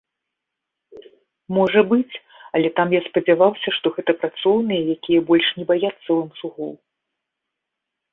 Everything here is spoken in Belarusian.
Можа быць, але там я спадзяваўся, што гэта працоўныя, якія больш не баяцца ланцугоў.